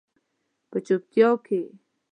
په چوپتیا کې